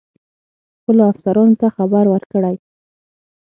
خپلو افسرانو ته خبر ورکړی.